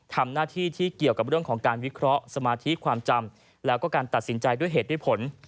ทำหน้าที่ที่เกี่ยวกับเรื่องของการวิเคราะห์สมาธิความจำแล้วก็การตัดสินใจด้วยเหตุด้วยผล